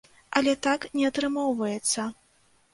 Але так не атрымоўваецца.